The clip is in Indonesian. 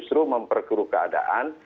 justru memperkuruh keadaan